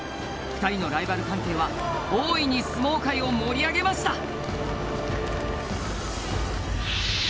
２人のライバル関係は大いに相撲界を盛り上げました。